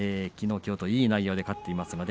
きのう、きょうといい内容で勝っています。